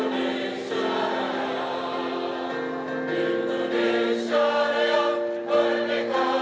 bersih merakyat kerja